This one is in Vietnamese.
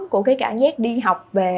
của cái cảm giác đi học về